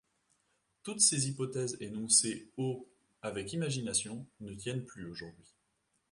Toutes ces hypothèses, énoncées au avec imagination, ne tiennent plus aujourd’hui.